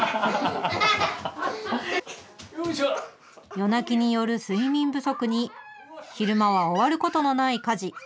夜泣きによる睡眠不足に、昼間は終わることのない家事。